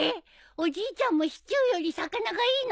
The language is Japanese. おじいちゃんもシチューより魚がいいの？